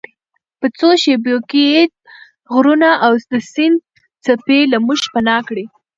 په څو شیبو کې یې غرونه او د سیند څپې له موږ پناه کړې.